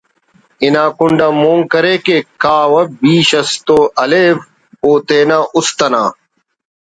انا کنڈ آ مون کرے کہ کاو بیش اس تو ہلیو او تینا است انا